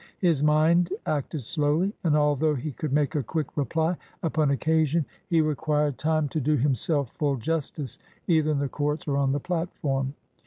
His mind acted slowly, and although he could make a quick reply upon occasion, he required time to do himself full jus tice either in the courts or on the platform.